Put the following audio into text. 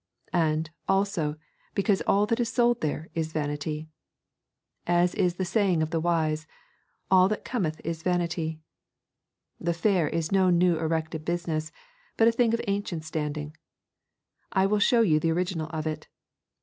And, also, because all that is sold there is vanity. As is the saying of the wise, All that cometh is vanity. The fair is no new erected business, but a thing of ancient standing: I will show you the original of it.